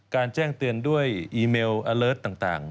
แจ้งเตือนด้วยอีเมลอเลิศต่าง